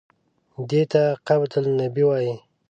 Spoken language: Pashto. دې ته قبة النبي وایي.